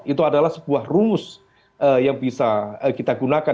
itu adalah sebuah rumus yang bisa kita gunakan